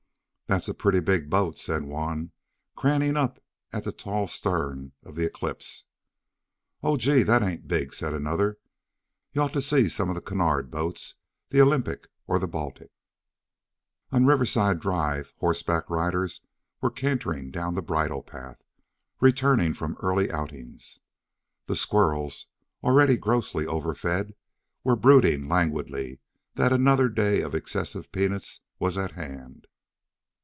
"That's a pretty big boat," said one, craning up at the tall stem of the Eclipse. "Oh, gee, that ain't big!" said another. "You ought to see some of the Cunard boats, the Olympic or the Baltic." On Riverside Drive horseback riders were cantering down the bridlepath, returning from early outings. The squirrels, already grossly overfed, were brooding languidly that another day of excessive peanuts was at hand.